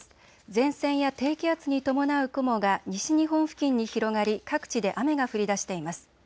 前線や低気圧に伴う雲が西日本付近に広がり各地で雨が降りだしています。